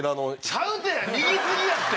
ちゃうって右すぎやって！